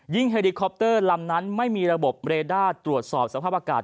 เฮลิคอปเตอร์ลำนั้นไม่มีระบบเรด้าตรวจสอบสภาพอากาศ